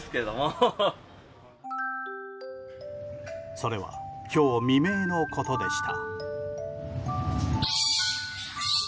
それは今日未明のことでした。